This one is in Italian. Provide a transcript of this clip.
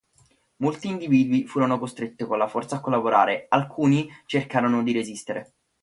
Molti individui furono costretti con la forza a collaborare, alcuni cercarono di resistere.